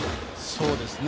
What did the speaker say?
そうですね。